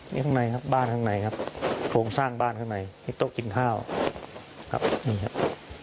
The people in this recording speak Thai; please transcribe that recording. นี่ข้างในครับบ้านข้างในครับโครงสร้างบ้านข้างในมีโต๊ะกินข้าวครับนี่ครับ